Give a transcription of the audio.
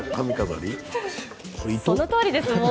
そのとおりです。